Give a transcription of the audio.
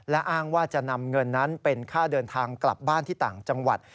และอ้างว่าจะนำเงินนั้นเป็นค่าเดินทางกลับบ้านที่ต่างจังหวัด